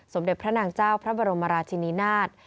สมเด็จพระนางเจ้าพระบรมราชินินาศ